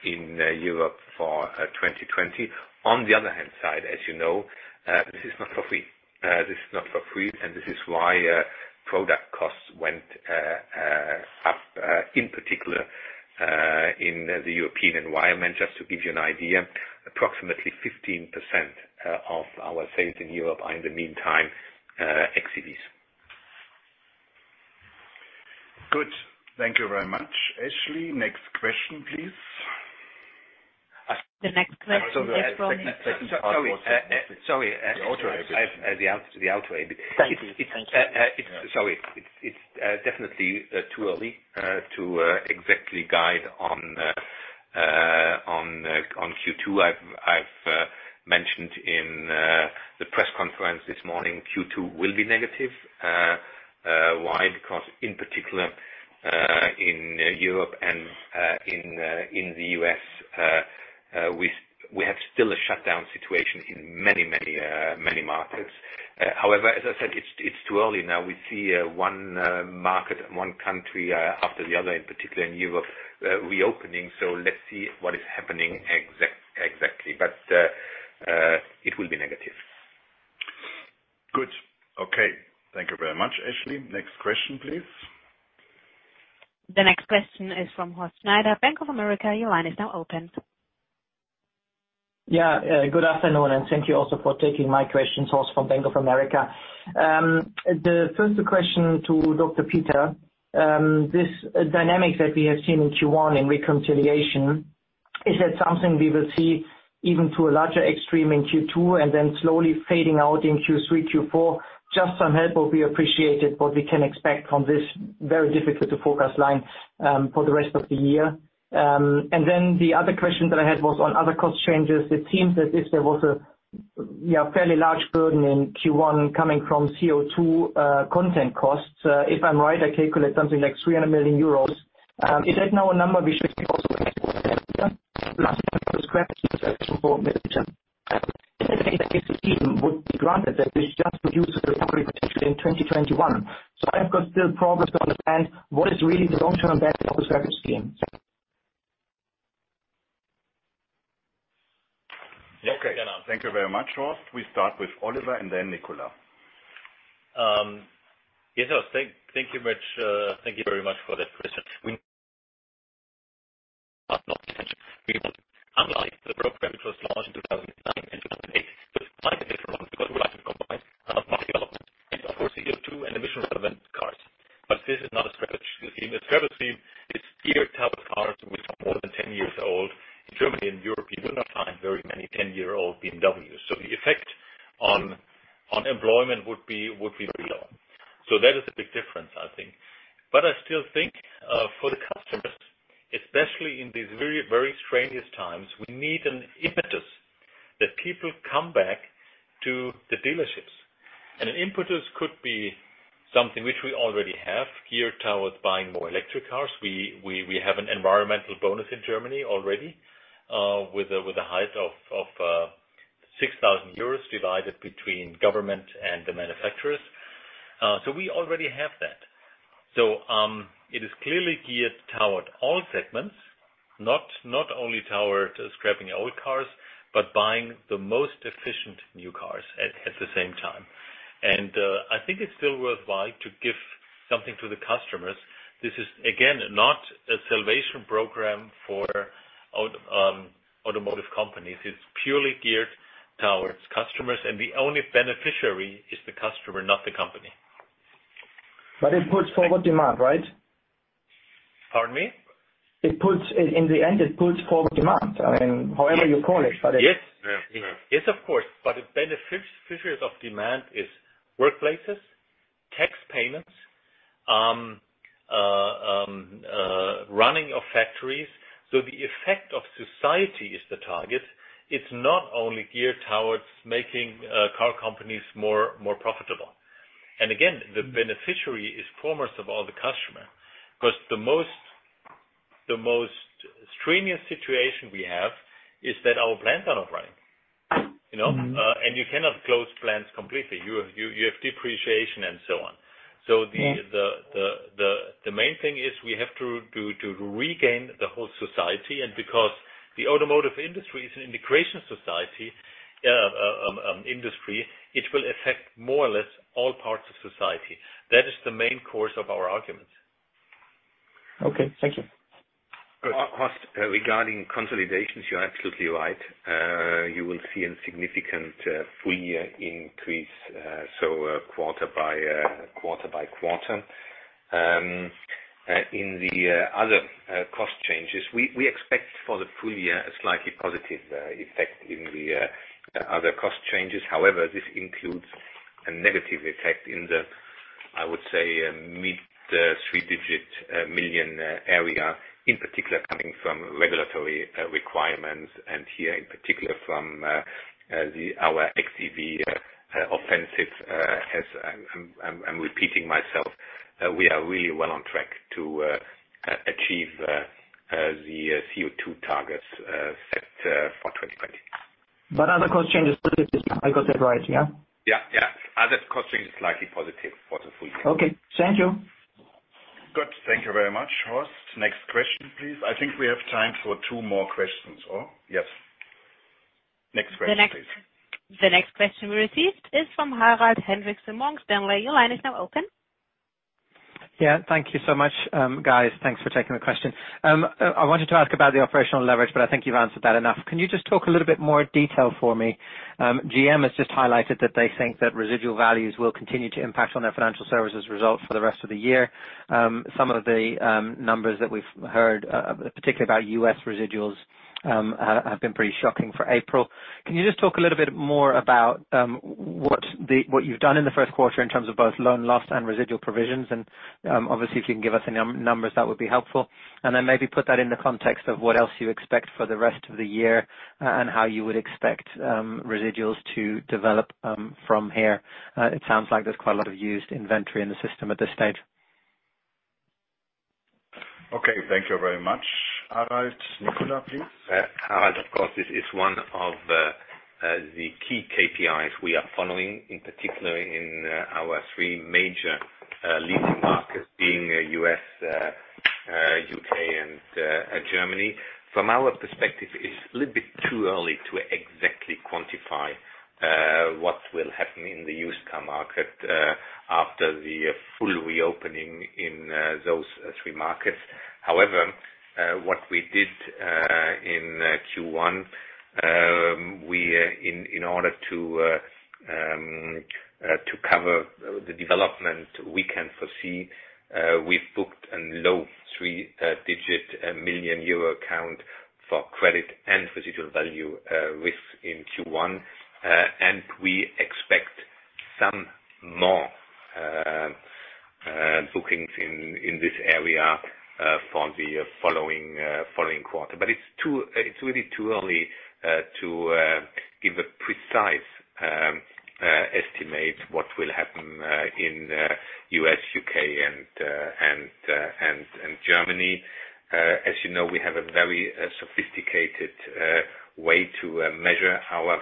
in Europe for 2020. On the other hand side, as you know, this is not for free. This is not for free, and this is why product costs went up, in particular, in the European environment. Just to give you an idea, approximately 15% of our sales in Europe are in the meantime, xEVs. Good. Thank you very much, Ashlee. Next question, please. The next question is from. Sorry. The outlay. Thank you. Sorry. It's definitely too early to exactly guide on Q2. I've mentioned in the press conference this morning, Q2 will be negative. Why? In particular, in Europe and in the U.S., we have still a shutdown situation in many markets. However, as I said, it's too early now. We see one market and one country after the other, in particular in Europe, reopening. Let's see what is happening exactly. It will be negative. Good. Okay. Thank you very much, Ashlee. Next question, please. The next question is from Horst Schneider, Bank of America, your line is now open. Yeah, good afternoon. Thank you also for taking my questions. Horst from Bank of America. The first question to Dr. Peter, this dynamic that we have seen in Q1 in reconciliation, is that something we will see even to a larger extreme in Q2 and then slowly fading out in Q3, Q4? Just some help will be appreciated, what we can expect from this very difficult to forecast line, for the rest of the year. The other question that I had was on other cost changes. It seems as if there was a fairly large burden in Q1 coming from CO2 content costs. If I'm right, I calculate something like 300 million euros. Is that now a number we should also expect for this year? In any case, the scheme would be granted that this just reduces the recovery potential in 2021. I've got still problems to understand what is really the long-term impact of the scrappage scheme. Okay. Thank you very much, Horst. We start with Oliver and then Nicolas. Yes, Horst. Thank you very much for that question. Unlike the program, which was launched in 2009 and 2008, this is a different model because we like to combine innovative development and of course, CO2 and emission relevant cars. This is not a scrappage scheme. A scrappage scheme is geared towards cars which are more than 10 years old. In Germany and Europe, you will not find very many 10-year-old BMWs. The effect on employment would be very low. That is a big difference, I think. I still think, for the customers, especially in these very strangest times, we need an impetus that people come back to the dealerships. An impetus could be something which we already have, geared towards buying more electric cars. We have an environmental bonus in Germany already, with a height of 6,000 euros divided between government and the manufacturers. We already have that. It is clearly geared toward all segments, not only toward scrapping old cars, but buying the most efficient new cars at the same time. I think it's still worthwhile to give something to the customers. This is, again, not a salvation program for automotive companies. It's purely geared towards customers, and the only beneficiary is the customer, not the company. It puts forward demand, right? Pardon me? In the end, it puts forward demand. I mean, however you call it. Yes, of course. The beneficiaries of demand is workplaces, tax payments, running of factories. The effect of society is the target. It's not only geared towards making car companies more profitable. Again, the beneficiary is foremost of all the customer. The most strenuous situation we have is that our plants are not running. You cannot close plants completely. You have depreciation and so on. The main thing is we have to regain the whole society. Because the automotive industry is an integration society industry, it will affect more or less all parts of society. That is the main course of our argument. Okay. Thank you. Horst, regarding consolidations, you're absolutely right. You will see a significant full-year increase, so quarter by quarter. In the other cost changes, we expect for the full year a slightly positive effect in the other cost changes. However, this includes a negative effect in the, I would say, mid three-digit million area, in particular coming from regulatory requirements, and here, in particular from our xEV offensive. As I'm repeating myself, we are really well on track to achieve the CO2 targets set for 2020. Other cost changes positive now. I got that right, yeah? Yeah. Other cost changes slightly positive for the full-year. Okay. Thank you. Good. Thank you very much, Horst. Next question, please. I think we have time for two more questions, or? Yes. Next question, please. The next question we received is from Harald Hendrikse, Morgan Stanley. Your line is now open. Yeah. Thank you so much, guys. Thanks for taking the question. I wanted to ask about the operational leverage. I think you've answered that enough. Can you just talk a little bit more detail for me? GM has just highlighted that they think that residual values will continue to impact on their financial services result for the rest of the year. Some of the numbers that we've heard, particularly about U.S. residuals, have been pretty shocking for April. Can you just talk a little bit more about what you've done in the first quarter in terms of both loan loss and residual provisions? Obviously, if you can give us any numbers, that would be helpful. Then maybe put that in the context of what else you expect for the rest of the year and how you would expect residuals to develop from here. It sounds like there's quite a lot of used inventory in the system at this stage. Okay. Thank you very much, Harald. Nicolas, please. Harald, of course, this is one of the key KPIs we are following, in particular in our three major leasing markets, being U.S., U.K., and Germany. From our perspective, it's a little bit too early to exactly quantify what will happen in the used car market after the full reopening in those three markets. What we did in Q1, in order to cover the development we can foresee, we've booked a low three-digit million EUR account for credit and residual value risk in Q1. We expect some more bookings in this area for the following quarter. It's really too early to give a precise estimate what will happen in U.S., U.K., and Germany. As you know, we have a very sophisticated way to measure our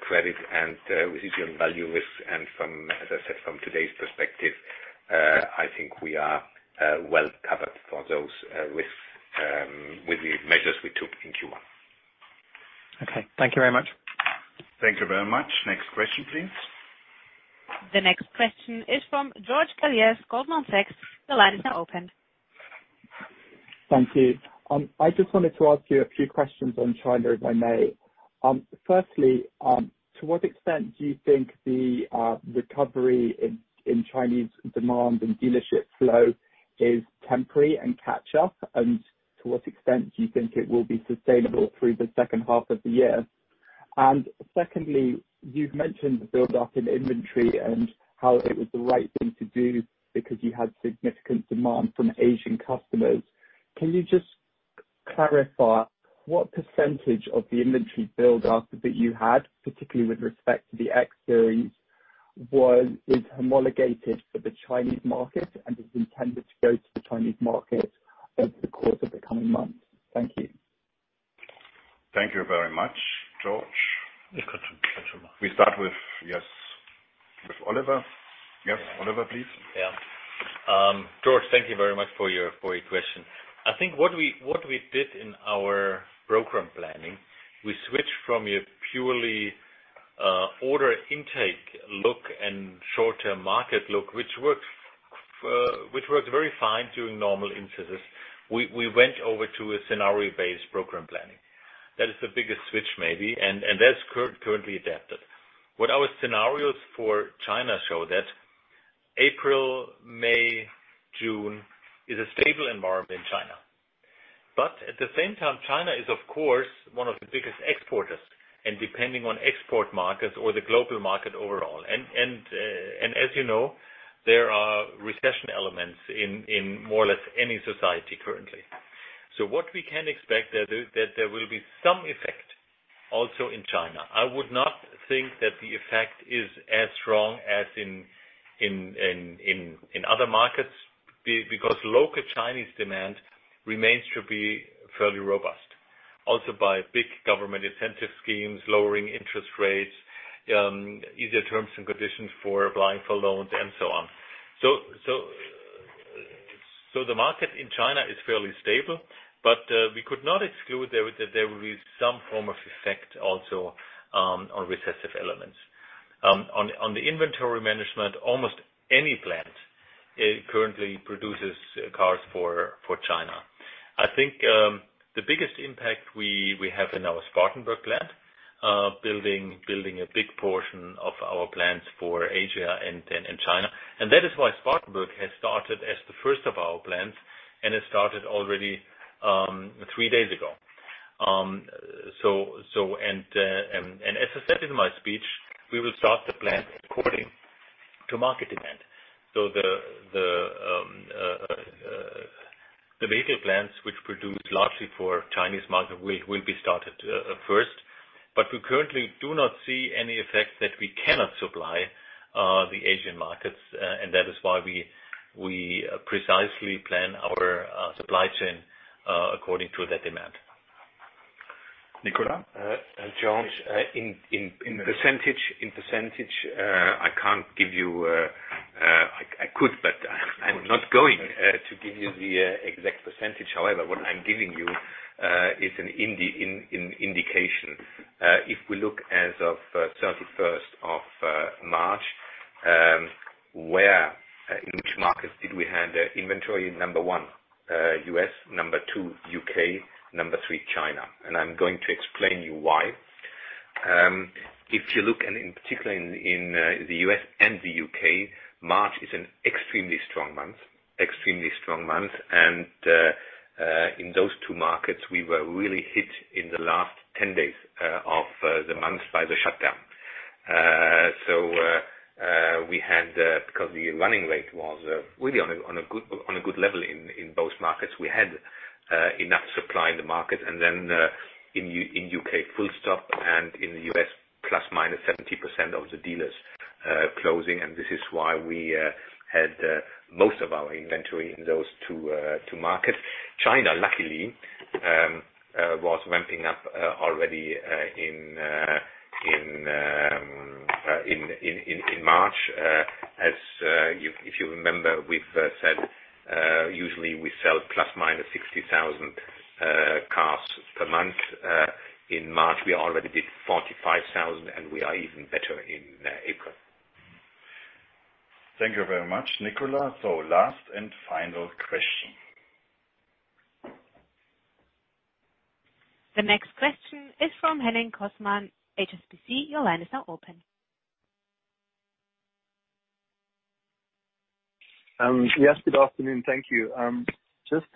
credit and residual value risk, and as I said, from today's perspective, I think we are well-covered for those risks with the measures we took in Q1. Okay. Thank you very much. Thank you very much. Next question, please. The next question is from George Galliers, Goldman Sachs. The line is now open. Thank you. I just wanted to ask you a few questions on China, if I may. Firstly, to what extent do you think the recovery in Chinese demand and dealership flow is temporary and catch-up, and to what extent do you think it will be sustainable through the H2 of the year? Secondly, you've mentioned the build-up in inventory and how it was the right thing to do because you had significant demand from Asian customers. Can you just clarify what percentage of the inventory build-up that you had, particularly with respect to the X series, is homologated for the Chinese market and is intended to go to the Chinese market over the course of the coming months? Thank you. Thank you very much, George. Yes, continue. We start with, yes, with Oliver. Yes, Oliver, please. Yeah. George, thank you very much for your question. I think what we did in our program planning, we switched from a purely order intake look and short-term market look, which worked very fine during normal instances. We went over to a scenario-based program planning. That is the biggest switch maybe, and that's currently adapted. What our scenarios for China show that April, May, June is a stable environment in China. At the same time, China is, of course, one of the biggest exporters, and depending on export markets or the global market overall. As you know, there are recession elements in more or less any society currently. What we can expect is that there will be some effect also in China. I would not think that the effect is as strong as in other markets, because local Chinese demand remains to be fairly robust. By big government incentive schemes, lowering interest rates, easier terms and conditions for applying for loans, and so on. The market in China is fairly stable, but we could not exclude that there will be some form of effect also on recessive elements. On the inventory management, almost any plant currently produces cars for China. I think the biggest impact we have in our Spartanburg plant, building a big portion of our plants for Asia and China. That is why Spartanburg has started as the first of our plants, and it started already three days ago. As I said in my speech, we will start the plant according to market demand. The basic plants which produce largely for Chinese market will be started first. We currently do not see any effect that we cannot supply the Asian markets, and that is why we precisely plan our supply chain according to that demand. Nicolas? George, I could, but I'm not going to give you the exact percentage. What I'm giving you is an indication. If we look as of 31st of March, where, in which markets did we have the inventory? Number one, U.S. Number two, U.K. Number three, China. I'm going to explain you why. If you look in particular in the U.S. and the U.K., March is an extremely strong month. In those two markets, we were really hit in the last 10 days of the month by the shutdown. The running rate was really on a good level in both markets. We had enough supply in the market, in U.K., full stop, in the U.S., plus/minus 70% of the dealers closing, this is why we had most of our inventory in those two markets. China, luckily, was ramping up already in March. If you remember, we've said, usually we sell plus/minus 60,000 cars per month. In March, we already did 45,000. We are even better in April. Thank you very much, Nicolas. Last and final question. The next question is from Henning Cosman, HSBC. Your line is now open. Yes, good afternoon. Thank you. Just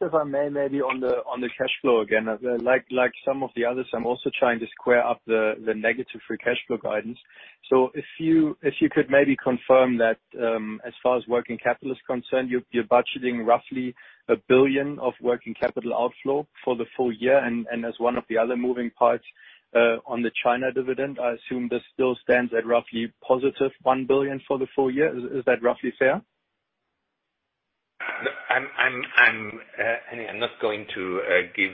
if I may, maybe on the cash flow again. Like some of the others, I'm also trying to square up the negative free cash flow guidance. If you could maybe confirm that, as far as working capital is concerned, you're budgeting roughly 1 billion of working capital outflow for the full year. As one of the other moving parts on the China dividend, I assume this still stands at roughly positive 1 billion for the full year. Is that roughly fair? Henning, I'm not going to give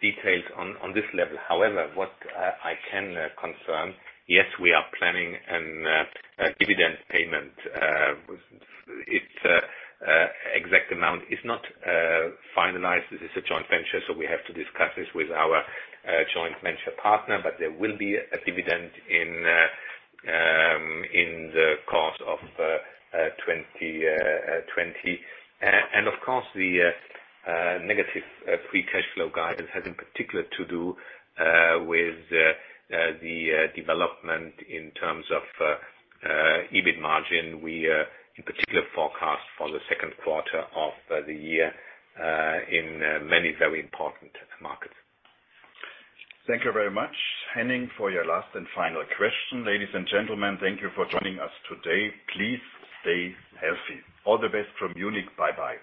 details on this level. However, what I can confirm, yes, we are planning a dividend payment. Its exact amount is not finalized. This is a joint venture, so we have to discuss this with our joint venture partner, but there will be a dividend in the course of 2020. Of course, the negative free cash flow guidance has in particular to do with the development in terms of EBIT margin. We in particular forecast for the second quarter of the year in many very important markets. Thank you very much, Henning, for your last and final question. Ladies and gentlemen, thank you for joining us today. Please stay healthy. All the best from Munich. Bye-bye.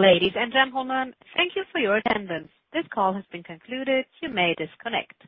Ladies and gentlemen, thank you for your attendance. This call has been concluded. You may disconnect.